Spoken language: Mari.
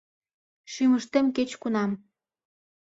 Шӱмыштем кеч-кунам